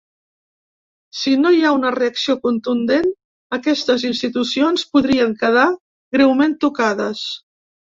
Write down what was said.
Si no hi ha una reacció contundent, aquestes institucions podrien quedar greument tocades.